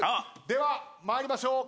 では参りましょう。